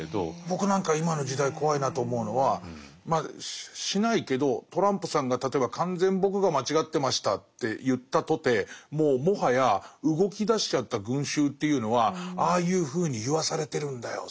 僕なんか今の時代怖いなと思うのはしないけどトランプさんが例えば「完全に僕が間違ってました」って言ったとてもうもはや動きだしちゃった群衆っていうのは「ああいうふうに言わされてるんだよ